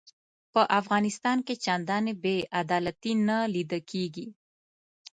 په افغانستان کې چنداني بې عدالتي نه لیده کیږي.